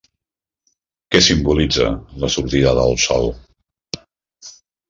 Què simbolitza la sortida del sol?